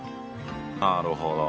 なるほど。